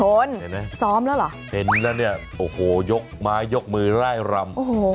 เห็นไหมซ้อมแล้วเหรอเห็นแล้วเนี่ยโอ้โหยกไม้ยกมือไล่รำโอ้โห